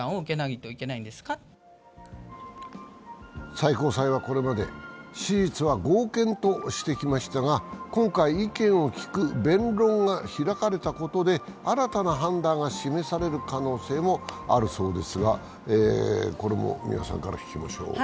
最高裁はこれまで、手術は合憲としてきましたが今回、意見を聞く弁論が開かれたことで新たな判断が示される可能性もあるそうですがこれも三輪さんから聞きましょう。